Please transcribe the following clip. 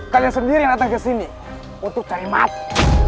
kalian sendiri yang datang ke sini untuk cari makan